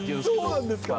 そうなんですか。